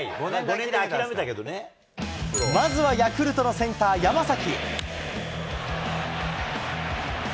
まずはヤクルトのセンター、山崎。